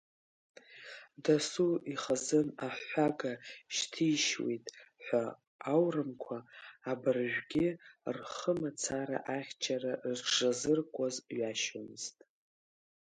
Дасу ихазын аҳәҳәага шьҭишьуеит ҳәа, аурымқәа абаржәгьы рхы мацара ахьчара рыҽшазыркуаз ҩашьомызт.